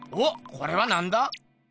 これはなんだ？